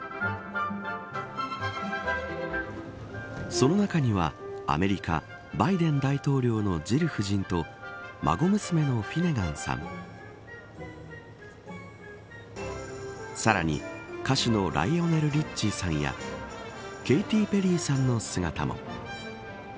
その中にはアメリカバイデン大統領のジル夫人と孫娘のフィネガンさんさらに歌手のライオネル・リッチーさんやケイティ・ペリーさんの姿も。